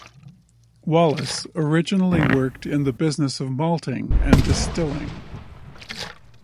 Wallace originally worked in the business of malting and distilling.